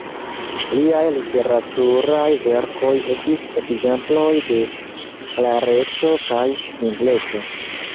Liaj literaturaj verkoj estis ekzemploj de klareco kaj simpleco.